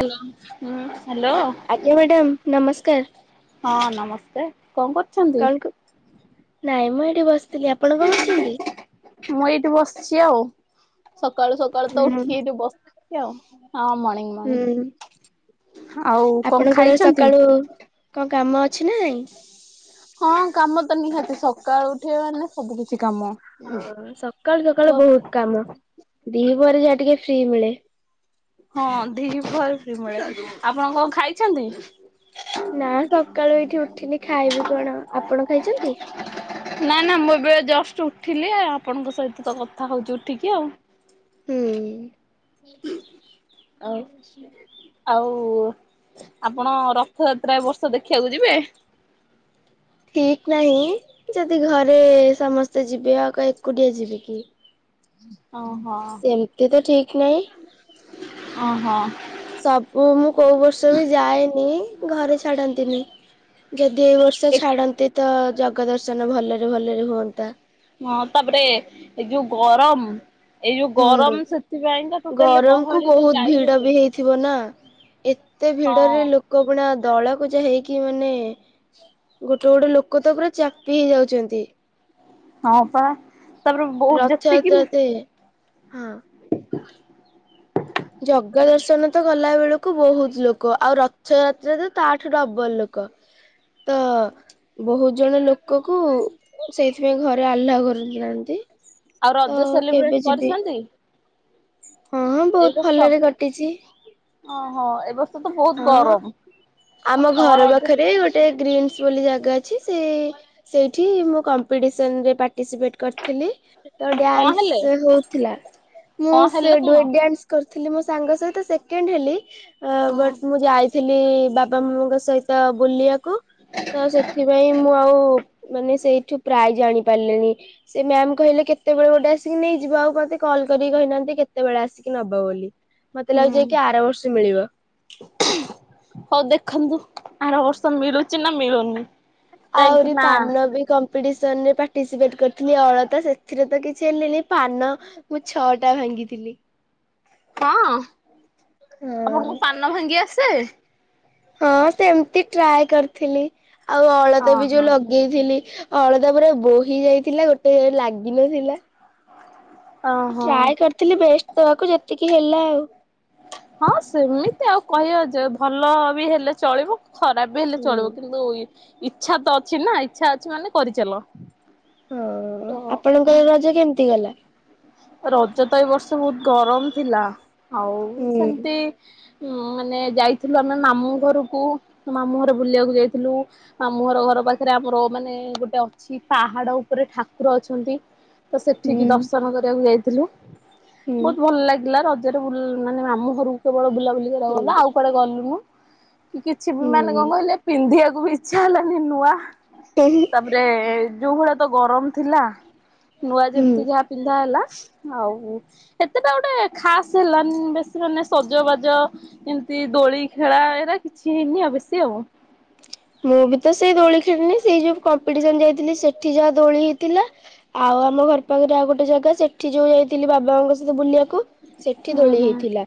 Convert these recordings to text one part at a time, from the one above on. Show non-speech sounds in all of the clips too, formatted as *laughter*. Hall ହ hello. ଆଜ୍ଞା madam ନମସ୍କାର ହଁ ନମସ୍ତେ କଣ କରୁଛନ୍ତି? କଣ କ ନାଇଁ ମୁଁ ଏଇଠି ବସିଥିଲି ଆପଣ କଣ କରୁଛନ୍ତି? ସି ଆଉ। ସକାଳୁ ସକାଳୁ ହୁଁ ତ ଉଠିକି ଏଠି ବସିଛି ଆଉ ହଁ ମର୍ଣ୍ଣିଂ ହୁଁ ମର୍ଣିଂ ଆଉ କଣ ଆପଣଙ୍କର ଖାଇଛନ୍ତି? ସକାଳୁ କଣ କାମ ଅଛି ନା ନାଇଁ। ହଁ କାମ ତ ନିହାତି ସକାଳୁ ଉଠେ ମାନେ ସବୁ କିଛି କାମ ଓ ସକାଳୁ ତ ସକାଳୁ ବହୁତ କାମ ଦିହ୍ ପହରେ ଯାହା ଟିକେ ଫ୍ରି ମିଳେ। ହଁ ଦିପହରେ ଫ୍ରୀ ମିଳେ ଆପଣ କଣ ଖାଇଛନ୍ତି? ନା ସକାଳୁ ଏଇଠି ଉଠିନି ଖାଇବି କଣ ଆପଣ ଖାଇଛନ୍ତି? ନା ନା ମୁଁ ଏବେଆ ଜଷ୍ଟ ଉଠିଲି ଆପଣଙ୍କ ସହିତ ତ କଥା ହଉଛି ଉଠିକି ଆଉ। ହୁଁ ଆଉ। ଆଉ ଆପଣ ରଥଯାତ୍ରା ବର୍ଷ ଦେଖିବାକୁ ଯିବେ? *inaudible* ଠିକ ନାହିଁ ଯଦି ଘରେ ସମସ୍ତେ ଯିବେ ଆଉ ଏକୁଟିଆ ଯିବ କି? ଓହୋ। ନାଇଁ ଓହୋ। ସବୁ ମୁଁ କୋଉ ବର୍ଷ ବି ଯାଏନି ଘରେ ଛାଡନ୍ତିନି । ଯଦି ଏ ବର୍ଷ ଛାଡନ୍ତି ତ ଜଗା ଦର୍ଶନ ଭଲରେ ଭଲରେ ହୁଅନ୍ତା । ହଁ ତାପରେ ଏ ଯୋଉ ଗରମ୍ ଏଇ ଯୋଉ ହୁଁ ଗରମ ସେଥିପାଇଁ ତ ଟୋଟାଲି ଗରମକୁୁ ଗହଳିରେ ବହୁତ ଯାଇ ଭିଡ ବି ହବନି । ହେଇଥିବ ନା। ଏତେ ଭିଡରେ ଲୋକ ପୁଣା ଦଳ ପୁଯା ହେଇକି ମାନେ ଗୋଟେ ଗୋଟେ ଲୋକ ତ ପୁରା ଚାପି ହେଇଯାଉଛନ୍ତି । ହଁ ପା ତାପରେ ବହୁତ ଯେତିକି ମ୍ ରଥଯାତ୍ରାତେ ହଁ। *inaudible* କୁ ବହୁତ ଲୋକ ଆଉ ରଥଯାତ୍ରା ତ ତାଠୁ ଡବଲ ଲୋକ । ତ ବହୁତ ଜଣ ଲୋକ କୁ ସେଇଥିପାଇଁ ଘରେ ଅଲ୍ଲଉକରୁନାହାନ୍ତି। ଆଉ ରଜ ସେଲିବ୍ରେଟ କରିଛନ୍ତି। ହଁ ହଁ ଏଇ ବହୁତ ଭଲରେ କଟିଛି। ହଁ ଏ ବର୍ଷ ତ ବହୁତ ହଁ ଗରମ। ଆଉ ଆମ କଣ ଘର ରଜ ପାଖରେ ଗୋଟେ ଗ୍ରୀନ୍ ବୋଲି ଜାଗା ଅଛି! ସେ ସେଇଠି ମୁଁ କମ୍ପିଟିସନରେ ପାର୍ଟିସିପେଟ କରିଥିଲି। ତ କଣ ହେଲେ ଡ୍ୟାନ୍ସ ହଉଥିଲା ମୁଁ କଣ ସେ ହେଲେ ଦୋ କଣ? ଡ୍ୟାନ୍ସ କରି ଥିଲି ମୋ ସାଙ୍ଗ ସହିତ ସେକେଣ୍ଡ ହେଲି! ହଁ ବଟ୍ ମୁଁ ଯାଇଥିଲି ବାପା ବାପାମାମାଙ୍କ ସହିତ ବୁଲିବାକୁ ତ ସେଥିପାଇଁ ମୁଁ ଆଉ ମାନେ ସେଇଠୁ ପ୍ରାୟ ଜାଣି ପାରିଲେନି! ସେ ମ୍ୟାାମ କହିଲେ କେତେବେଳେ ଗୋଟେ ଆସିକି ନେଇଯିବ। ଆଉ ମତେ କ କଲ କରିକି କହିନାହାନ୍ତି, କେତେବେଳେ ଆସିକି ନବ ବୋଲି। ମତେ ଲାଗୁଛି ହୁଁ ଯାଇ କି ଆର ବର୍ଷ ମିଳିବ। *inaudible* ହଉ ଦେଖନ୍ତୁ ଆର ବର୍ଷ ମିଳୁଛିିନା ମିଳୁନି। କାହିଁକି ଆହୁରି ନା ପାନ ବି କମ କମ୍ପିଟିସନରେ ପାଟିସିପେଟ କରିଥିଲି ଅଳତା ସେଥିରେ ତ କିଛି ହେଲିନି ପାନ ମୁ ଛଅଟା ଭା ଙ୍ଗିଥିଲି। ହଁ *inaudible* ହଁ। ଆପଣଙ୍କୁ ପାନ ଭାଙ୍ଗି ଆସେ? ହଁ ସେମିତି ଟ୍ରାଏ କରିଥିଲି ଆଉ ଅଳତା ବି ଯୋଉ ଓହୋ ଲଗେଇଥିଲି। ଅଳତା ପୁରା ବୋହି ଯାଇଥିଲା ଗୋଟେ ହେ ଲାଗିନଥିଲା। ଓହୋ। ଟ୍ରାଏ କରିଥିଲି ବେଷ୍ଟ ଦବାକୁ ଯେତିକି ହେଲା ଆଉ। ହଁ ସେମିତି ଆଉ କହିବା ଯେ ଭଲ ବି ହେଲେ ଚଳିବ ଖରାପ ବି ହେଲେ ଚଳିବ ହୁଁ। କିନ୍ତୁ ଇଚ୍ଛା ତ ଅଛି ନା ଇଚ୍ଛା ଅଛି ମାନେ କରିଚାଲ। ହଁ ତ ଆପଣଙ୍କର ରଜ କେମିତି ଗଲା? ରଜ ତ ଏ ବର୍ଷ ବହୁତ ଗରମ ଥିଲା ଆଉ ହୁଁ। ସେମିତି ଉଁ ମାନେ ଯାଇଥିଲୁ ଆମେ ମାମୁଁ ଘରକୁ ମାମୁଁ ଘର ବୁଲିବାକୁ ଯାଇଥିଲୁ ମାମୁଁ ଘର ଘର ପାଖରେ ଆମର ମାନେ ଗୋଟେ ଅଛି ପାହାଡ ଉପରେ ଠାକୁର ଅଛନ୍ତି। ତ ସେଠିକି ହୁଁ ଦର୍ଶନ କରିବାକୁ ଯାଇଥିଲୁ। ହୁଁ ବହୁତ ଭଲ ଲାଗିଲା ରଜ ସେଠୁ ବୁ ମାନେ ମାମୁ ଘରକୁ କେବଳ ବୁଲା ବୁଲି କରିବାକୁ ଗଲୁ। ହୁଁ ଆଉ କୁଆଡେ ଗଲୁନୁ। କିଛି ବି ମାନେ କଣ କହିଲେ ପିନ୍ଧିବାକୁ ବି ଇଚ୍ଛା ହେଲାନି ନୂଆ। ହୁଁ ତାପରେ ଯୋଉ ଭଳିଆ ତ ଗରମ ଥିଲା। ନୂଆ ହୁଁ। ଯେମିତି ଯାହା ପି ଲା ଆଉ। ଏତେଟା ଗୋଟେ ଖାସ୍ ହେଲାନି ବେଶୀ ମାନେ ସଜବାଜ ଏମିତି ଦୋଳି ଖେଳା ଏଇରା କି *inaudible* ମୁଁ ବି ତ ସେଇ ଦୋଳି ଖେଳିିନି ସେଇ ଯୋଉ କ କମ୍ପିଡିସନ ଯାଇଥିଲି ସେଠି ଯାହା ଦୋଳି ହେଇଥିଲା। ଆଉ ଆମ ଘର ପାଖରେ ଆଉ ଗୋଟେ ଜାଗା ସେଠି ଯୋଉ ଯାଇଥିଲ ବାବାଙ୍କ ସହିତ ବୁଲିବାକୁ ସେଠି ହୁଁ ଦୋଳି ହୁଁ ହେଇଥିଲା।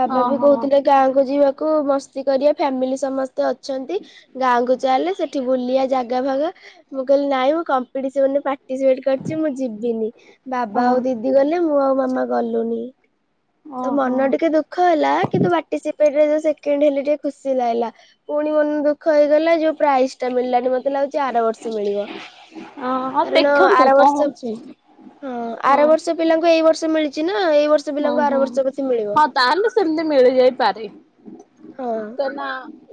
ବାବା ବି ଓହୋ କହୁଥିଲେ ଗାଁକୁ ଯିବାକୁ କୁ ମସ୍ତି କରିବା ଫ୍ୟାମିଲି ସମସ୍ତେ ଅଛନ୍ତି। ଗାଁକୁ ଚାଲେ ସେଠି ବୁଲିବା ଜାଗା ଫାଗା। ମୁଁ କହିଲି ନାଇଁ ମୁଁ କମ୍ପିଟ୍ସନ୍ ପା ଯି ୱେଟ୍ କରିଛି ମୁଁ ଯିବିନି। ଓ ବାବା ଆଉ ଦିଦି ଗଲେ ମୁଁ ଆଉ ମାମା ଗଲୁନି। ତ ଓହୋ ମନ ଟିକେ ଦୁଃଖ ହେଲା। କିନ୍ତୁ ପାର୍ଟିସିପେଟରେ ଯୋଉ ସେକେଣ୍ଡ ହେଲି ଟିକେ ଖୁସି ଲାଗିଲା! ପୁଣି ମନ ଦୁ ଦୁଃଖ ହେଇଗଲା ଯୋଉ ପ୍ରାଇସ ଟା ମିଳିଲାନି ମତେ ଲାଗୁଛି ଆର ବର୍ଷ ମିଳିବ। ଓ ହଉ କାରଣ ଦେଖନ୍ତୁ ଆର କଣ ବର୍ଷ ହଉଛି ହଁ। ଆର ବର୍ଷ *inaudible* ହଁ ପିଲାଙ୍କୁ ଏଇ ବର୍ଷ ମିଳିଛି ନା। ଏଇ ବର୍ଷ ହଁ ପିଲାଙ୍କୁ ଆର ହଁ ବର୍ଷ ବୋଧେ ମିଳିବ। ହଁ ତାହେଲେ ସେମିତି ମିଳି ଯାଇପାରେ। ହଁ ତ ନା।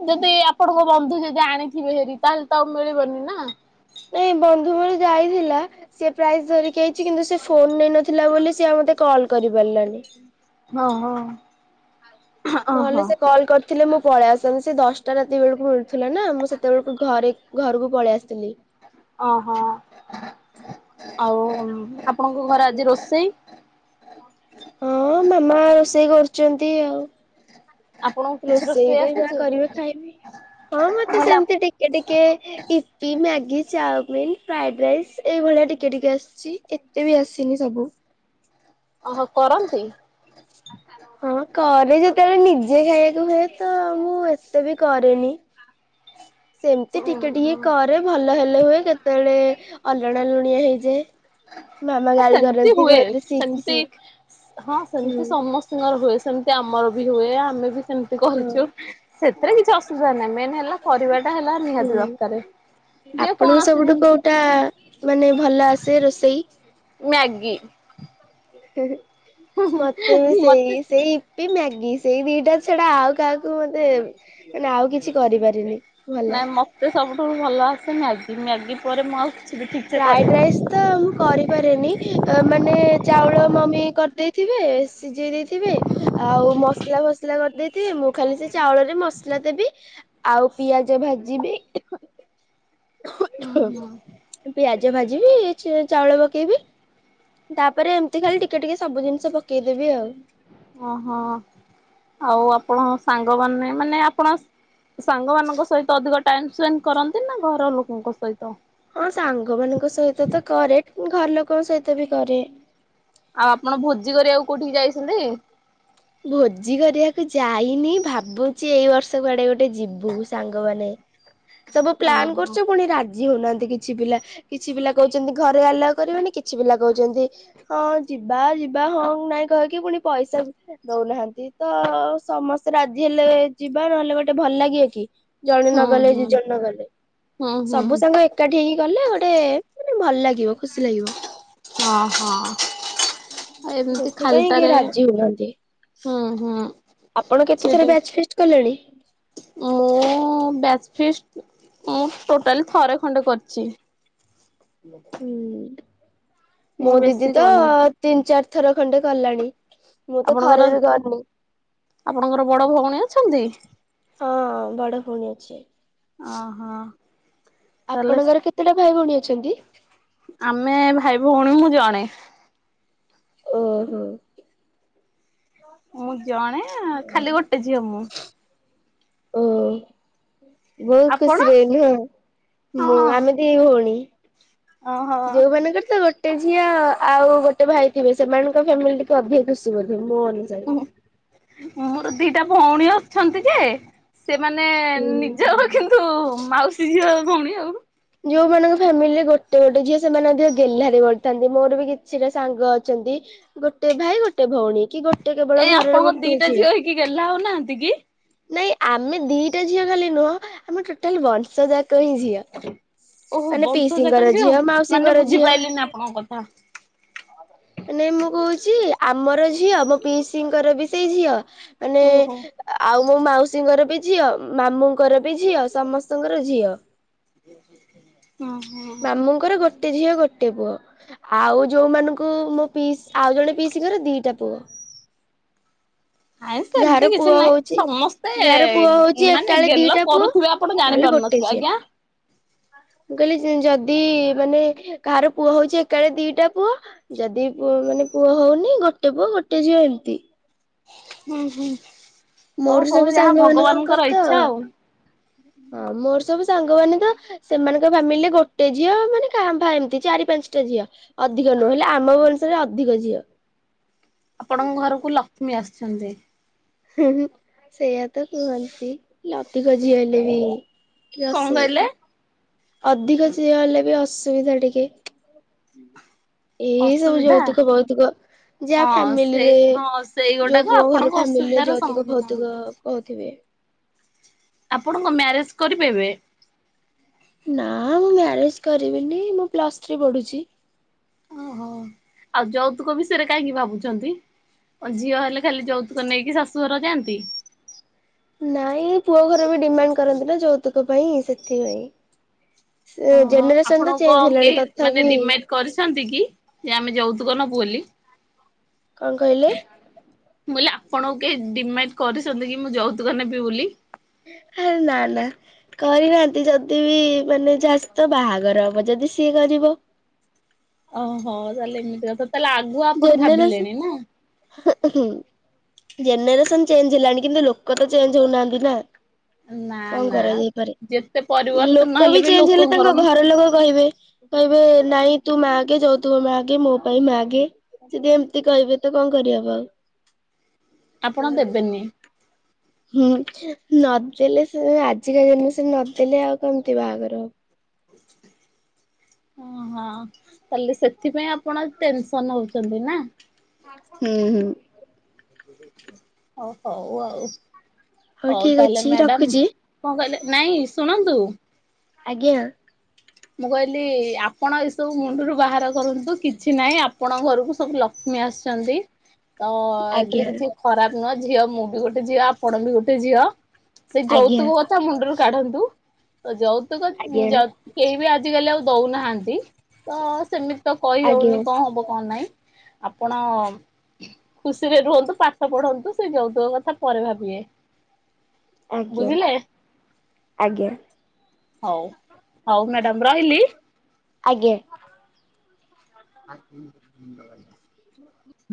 ଯଦି ଆପଣଙ୍କ ବନ୍ଧୁ ଯଦି ଆଣିଥିବେ ହେରି! ତାହେଲେ ତ ଆଉ ମିଳିବନି ନା। *inaudible* ନାଇଁ ବନ୍ଧୁ ପୁଣି ଯାଇଥିଲା! ସିଏ ପ୍ରାଇସ୍ ଧରିକି ଆଇଛି କିନ୍ତୁ ସେ ଫୋନ ନେଇନଥିଲା ବୋଲି ସିଏ ଆଉ ମତେ କଲ୍ କରି କରି ପାରିଲାନି। ହଁ ହଁ। *inaudible* ନହେଲେ ସେ କଲ୍ କରିଥିଲେ ମୁଁ ପଳେଇ ଆସିଲାନି ସେ ଦଶଟା ରାତି ବେଳକୁ ମିଳୁଥିଲା ନା ମୁଁ ସେତେବେଳକୁ ଘରେ ଘରକୁ ପଳେଇ ଆସିଥିଲି। ଓହୋ *inaudible* ଆଉ ମା *inaudible* ହଁ ମାମା ସେ ଇ କରୁଛନ୍ତି ଆଉ ଆପଣଙ୍କୁ କିଛି ରୋଷେଇ ରୋଷେଇରେ ଯାହା ଆସିଛି କରିବେ ଖାଇବି। ହଁ ମତେ ନହେଲେ ସେମିତି ଟିକେ ଟିକେ ଇପି ମା ଗି ଚାଓମିନ ଫ୍ରାଏଡ ରାଇସ୍ ଏଇ ଭଳିଆ ଟିକେ ଟିକେ ଆସିଛି ଏତେ ବି ଆସିନି ସବୁ। ଓହୋ କରନ୍ତି? *inaudible* ହଁ କରେ ଯେତେବେଳେ ନିଜେ ଖାଇବାକୁ ହୁଏ ତ ମୁଁ ଏତେ ବି କରେନି। ସେମିତି ଟିକେ ଟିକେ ଓହୋ କରେ ଭଲ ହେଲେ ହୁଏ କେତେବେଳେ ଅଲଣା ଲୁଣିଆ ହେଇଯାଏ। ମାମା ଗାଳି ସେମିତି କରନ୍ତି ହୁଏ କହନ୍ତି ଶିଖ ସେମିତି ଶିଖ। ହଁ ହୁଁ ସେମତି ସମସ୍ତଙ୍କର ହୁଏ ସେମିତି ଆମର ବି ହୁଏ ଆମେ ବି ସେମତି ହଁ। କରିଛୁ ସେଥିରେ କିଛି ଅସୁବିଧା ନାହିଁ ମେନ ହେଲା କରିବାଟା ହେଲା ନିହାତି ହୁଁ ଦରକାର। ଯେ ଆପଣଙ୍କୁ କୌଣସି ସବୁଠୁ ଜିନିଷ କୋଉଟା ମାନେ ଭଲ ଆସେ ରୋଷେଇ। ମ୍ୟାଗି। ହି ହି ମତେ ବି ମତେ ସେଇ ସେଇ ଇପି ମ୍ୟାଗି ସେଇ ଦି ଇଟା ଛଡା ଆଉ କାହାକୁ ମତେ ମାନେ ଆଉ କିଛି କରିପାରିନି। ଭଲ। ନାଇଁ ମତେ ସବୁଠୁ ଭଲ ଆସେ ମ୍ୟାଗି ମ୍ୟାଗି ପରେ ମ ଫ୍ରାଏଡ ରାଇସ୍ ତ ମୁଁ କରିପାରେିନି। ମାନେ ଚାଉଳ ମମି କରିଦେଇଥିବେ ସିଝେଇ ଦେଇଥିବେ ଆଉ ମସଲା ମସଲା କରିଦେଇଥେ ମୁଁ ଖାଲି ସେ ଚାଉଳରେ ମସଲା ଦେବି ଆଉ ପିଆଜ ଭାଜିବି। ଓ ହୁଁ। ପିଆଜ ଭାଜିବି ଚାଉଳ ପକେଇବି ତାପରେ ଏମିତି ଖାଲି ଟିକେ ଟିକେ ସବୁ ଜିନିଷ ପକେଇଦେବି ଆଉ। ଓହୋ ଆଉ ଆପଣ ସାଙ୍ଗମାନେ ମାନେ ଆପଣ ସାଙ୍ଗମାନାନଙ୍କ ସହିତ ଅଧିକ ଟାଇମ ସ୍ପେଣ୍ଡ କରନ୍ତି ନା ଘର ଲୋକଙ୍କ ସହିତ। ହଁ ସାଙ୍ଗ ମାନଙ୍କ ସହିତ ତ କରେ ଘର ଲୋକଙ୍କ ସହିତ ବି କରେ। ଆଉ ଆପଣ ଭୋଜି କରି ଆଉ କୋଉଠିକି ଯାଇଛନ୍ତି। ଭୋଜି କରିବାକୁ ଯାଇନି ଭାବୁଛି ଏଇ ବର୍ଷ କୁଆଡେ ଗୋଟେ ଯିବୁ ସାଙ୍ଗମାନେ। ସବୁ ପ୍ଲାନ୍ ଓହୋ କରୁଛୁ ପୁଣି ରାଜ ଜି ହଉନାହାନ୍ତି କିଛି ପିଲା କିଛି ପିଲା କହୁଛନ୍ତି ଘରେ ଆଲା କରିବୋନି କିଛି ପିଲା କହୁଛନ୍ତି ହଁ ଜ ଯିବା ଯିବା ହଁ ନାଇଁ କହକି ପୁଣି ପଇସା କ ଦଉନାହାନ୍ତି ତ ସମସ୍ତେ ରାଜି ହେଲେ ଯିବା ନହେଲେ ଗୋଟେ ଭଲ ଲାଗିବ କି। ଜଣେ ନ ହୁଁ ଗଲେ ଦି ହୁଁ। ଜଣ ନ ଗଲେ ହୁଁ ହୁଁ ସବୁ ସାଙ୍ଗ ଏକାଠି ହେଇକି ଗଲେ ଗୋଟେ ଭଲ ଲାଗିବ ଖୁସି ଲାଗିବ। ଓ ହୋ। ଆଉ ଏମିତି ସେଥିପାଇଁ କେହି ଖାଲଟାରେ ରାଜି ହଉନାହାନ୍ତି ହୁଁ ହୁଁ ଆପଣ କେତେଥର ସେଇଟା ବ୍ୟାଚ୍ ଫିଷ୍ଟ କଲେଣି? ମୁଁ ବ୍ୟାଜ ଫିଷ୍ଟ ମୁଁ ଟୋଟାଲି ଥରେ ଖଣ୍ଡେ କରି ଚି ହୁଁ। ମୋ ଦିଦି ତ ତିନି ଚାରି ଥର ଖଣ୍ଡେ କଲାଣି। ମୁଁ ତ ଆପଣଙ୍କର ଥରେ ବି କରିନି। ଆପଣଙ୍କର ବଡ ଭଉଣୀ ଅଛନ୍ତି। ବଡ଼ ଭଉଣୀ ଅଛି। ଓ ହୋ। ଆପଣଙ୍କର କେତେଟା ଭାଇ ଭଉଣୀ ଅଛନ୍ତି। ଆମେ ଭାଇ ଭଉଣୀ ମୁଁ ଜଣେ। ଓ ହୋ। ମୁଁ ଜଣେ ଖାଲି ଗୋଟେ ଝିଅ ମୁଁ। ଓ ବହୁତ ଆପଣ? ଖୁସିରେ ନୁହଁ ମୁଁ ହଁ ଆମେ ଦି ଭଉଣୀ। ଓହୋ ଯୋଉମାନଙ୍କର ତ ଗୋଟେ ଝିଅ ଆଉ ଗୋଟେ ଭାଇ ଥିବେ ସେମାନଙ୍କ ଫ୍ୟାମିଲି ଟିକେ ଅଧିକ ଖୁସି ବୋଧେ ମୋ ଅନୁ ଯାଇ ମୋର ଦିଟା ଭଉଣୀ ଅଛନ୍ତି ଯେ ସେମାନେ ହୁଁ। ନିଜର କିନ୍ତୁ ମାଉସୀ ଝିଅ ଭଉଣୀ ଆଉ। ଯୋଉମାନଙ୍କ ଫ୍ୟାମିଲିରେ ଗୋଟେ ଗୋଟେ ଝିଅ ସେମାନେ ଅଧିକ ଗେହ୍ଲାରେ ବଢିଥାନ୍ତି ମୋର ବି କିଛିଟା ସାଙ୍ଗ ଅଛନ୍ତି । ଗୋଟେ ଭାଇ ଗୋଟେ ଭଉଣୀ କି ଗୋଟେ କେବଳ କାଇ ଘରର ଆପଣଙ୍କ ଗୋଟିଏ ଦିଟା ଝିଅ ହେଇକି ଗେଲ୍ହା ହଉ ନାହାନ୍ତି କି? ନାଇଁ ଆମେ ଦିଟା ଝିଅ ଖାଲି ନୁହଁ ଆମର ଟୋଟାଲ ବଂଶ ଯାକ ହିଁ ଝିଅ । ଓହୋ ବଂଶଜାକ ଝିଅ ମାନେ ମାଉସୀଙ୍କର ଝିଅ। ବୁଝିପାଇଲିନି ଆପଣଙ୍କ କଥା । ନାଇଁ ମୁଁ କହୁଛି ଆମର ଝିଅ ମୋ ପିଇସିିଙ୍କର ବି ସେଇ ଝିଅ। ମାନେ ଓହୋ ଆଉ ମୋ ମାଉସୀଙ୍କର ବି ଝିଅ ମାମୁଁ ଙ୍କର ବି ଝିଅ ସମସ୍ତଙ୍କର ଝିଅ । ହୁଁ ହୁଁ। ମାମୁଙ୍କର ଗୋଟେ ଝିଅ ଗୋଟେ ଗୋଟେ ପୁଅ, ଆଉ ଯୋଉମାନଙ୍କୁ ମୋ ପିଇ ଆଉ ଜଣେ ପିଇସିଙ୍କର ଦିଟାପୁଅ । ଆାଇଁ ସେମିତି କିଛି ପୁଅ ନାଇଁ ହଉଛି ସମସ୍ତେ ଯାହାର ପୁଅ ହଉଛି ମାନେ ଏକାଳେ ଗେଲ ଦିଟା ପୁଅ କରୁଥିବେ, ଆପଣ ନହେଲେ ଗୋଟେ ଜାଣିପାରୁ ଝିଅ। ଆଜ୍ଞା। ମୁଁ କହିଲି ଯଦି ମାନେ କାହାର ପୁଅ ହଉଛି। ଏକାବେଳେ ଦିଟା ପୁଅ ଯଦିଅ ମାନେ ପୁଅ ହଉନି ଗୋଟେ ପୁଅ ଗୋଟେ ଝିଅ ଏମିତି । ହୁଁ ହୁଁ। ହଉ ମୋର ହଉ ସବୁ ଯାହା ସାଙ୍ଗ ମାନଙ୍କର ଭଗବାନଙ୍କର ତ ଇଚ୍ଛା ଆଉ। ହଁ ମୋର ସବୁ ସାଙ୍ଗମାନେ ତ ସେମାନଙ୍କ ଫ୍ୟାମିଲିରେ ଗୋଟେ ଝିଅ ମାନେ ଙ୍କା ଭା ଏମିତି ଚାରି ପାଞ୍ଚଟା ଝିଅ ଅଧିକ ନୁହେ ହେଲେ ଆମ ବଂଶରେ ଅଧିକ ଝିଅ । ଆପଣଙ୍କ ଘରକୁ ଲକ୍ଷ୍ମୀ ଆସିଛନ୍ତି । ହିଁ ହିଁ ସେଇଆ ତ କୁହନ୍ତି, ଅଧିକ ଝିଅ ହେଲେ ବି କଣ କହିଲେ କିଅସୁବିଧା। ଅଧିକ ଝିଅ ହେଲେ ବି ଅସୁବିଧା ଟିକେ। ଏଇସବୁ ଅସୁବିଧା ଯୌତୁକ ଭୌତୁକ ଯାହା ହଁ ସେ ଫ୍ୟାମିଲିରେ ହଁ ସେଇ ଯୋଉ ଗୋଟାକ ପୁଅ ଆପଣଙ୍କ ଘର ଫ୍ୟାମିଲିରେ ଅସୁବିଧାର ଯୌତୁକ ସମ୍ମୁଖୀନ। ଭୌତୁକ କହୁଥିବେ । ଆପଣଙ୍କ ମ୍ୟାରେଜ କରିବେ ଏବେ । ନା ମୁଁ ମ୍ୟାରେଜ କରିବିନି ମୁଁ ପ୍ଲସଥ୍ରୀ ପଢୁଛି । ଓହୋ ଆଉ ଯୌତୁକ ବିଷୟରେ କାହିଁକି ଭାବୁଛନ୍ତି । ଝିଅ ହେଲେ ଖାଲି ଯୌତୁକ ନେଇକି ଶାଶୁଘର ଯାଆନ୍ତି । ନାଇଁ ପୁଅ ଘର ବି ଡିମାଣ୍ଡ କରନ୍ତି ନା ଯୌତୁକ ପାଇଁ ସେଥିପାଇଁ । ଓହୋ ଆପଣଙ୍କ କେହି ମାନେ ତଥାପି ଡିମାଣ୍ଡ କରିଛନ୍ତି କି ଯେ ଆମେ ଯୌତୁକ ନ ବୋଲି କଣ କହିଲେ ଆପଣଙ୍କୁ କେହି ଡିମା କରିଛନ୍ତି କି ମୁଁ ଯୌତୁକ ନେବି ବୋଲି । *inaudible* ନା ନା କରିନାହାନ୍ତି ଯଦି ବି ମାନେ ଯା ସହିତ ବାହାଘର ହବ ଯଦି ସିଏ କରିବ । ଓହୋ ତାହେଲେ ଏମିତି କଥା ତାହେଲେ ଆଗୁଆ ଆପଣ ଜେନେରେସନ ଭାବିଲେଣି ନା । ହୁଁ ଜେନେରେସନ ଚେଞ୍ଜ ହେଲାଣି କିନ୍ତୁ ଲୋକତ ଚେଞ୍ଜ ହଉନାହାନ୍ତି ନା । *inaudible* କଣ କରାଯାଇପାରେ ଯେତେ ପରିବର୍ତ୍ତନ ଲୋକବି ବି ଚେଞ୍ଜ ହେଲେ ଲୋକଙ୍କର ତାଙ୍କ ଘରଲୋକ କହିବେ କହିବେ । ନାଇଁ ତୁ ମ ଆେ ଯାଉଥିବ ମାଗେ ମୋ ପାଇଁ ମାଗେ ଯଦି ଏମିତି କହିବେ ତ କଣ କରିହବ ଆଉ । ଆପଣ ଦେବେନି । ହୁଁ ନ ଦେଲେ ଆଜିକା ଜେନେରେସନ ନଦେଲେ ଆଉ କେମିତି ବାହାଘର । ଓହଁ ତାହଲେ ସେଥିପାଇଁ ଆପଣ ଟେନସନ ହଉଛନ୍ତି ନା । ହୁଁ ହୁଁ। ଓ ହଉ ଆଉ ହଉ ଠିକ ତାହେଲେ ଅଛି ମ୍ୟାଡାମ ରଖୁଛି। କଣ କହିଲେ? ନାଇଁ ଶୁଣନ୍ତୁ। ଆଜ୍ଞା। ମୁଁ କହିଲି ଆପଣ ଏସବୁ ମୁଣ୍ଡରୁ ବାହାର କରନ୍ତୁ କିଛି ନାହିଁ ଆପଣଙ୍କ ଘରକୁ ସବୁ ଲକ୍ଷ କ୍ଷ୍ମି ଆସିଛନ୍ତି। ତ ଏଥିରେ ଆଜ୍ଞା କିଛି ଖରାପ ନୁହଁ ଝିଅ ମୁଁ ବି ଗୋଟେ ଝିଅ ଆପଣ ବି ଗୋଟେ ଝିଅ ସେ ଆଜ୍ଞା ଯୌତୁକ କଥା ମୁଣ୍ଡରୁ କାଢନ୍ତୁ ତ ଯୌତୁକ ଆଜ୍ଞା କେହି ବି ଆ ଆଜିକାଲି ଆଉ ଦଉନାହାନ୍ତି। ତ ସେମିତି ତ କହି ଆଜ୍ଞା ହଉନି କଣ ହବ କଣ ନାହିଁ। ଆପଣ ଖୁସିରେ ରୁହନ୍ତୁ। ପାଠ ପଢନ୍ତୁ ସେ ଯଉତୁକ କଥା ପରେ ଭାବିବେ ଆଜ୍ଞା ବୁଝିଲେ ଆଜ୍ଞା ହଉ ହଉ ମ୍ୟାଡ଼ାାମ ରହିଲି। ଆଜ୍ଞା *inaudible*